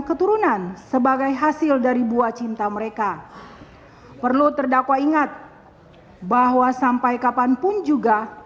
keturunan sebagai hasil dari buah cinta mereka perlu terdakwa ingat bahwa sampai kapanpun juga